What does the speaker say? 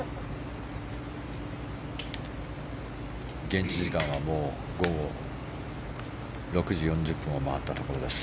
現地時間はもう午後６時４０分を回ったところです。